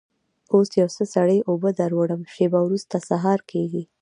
اوس یو څه سړې اوبه در وړم، شېبه وروسته سهار کېږي.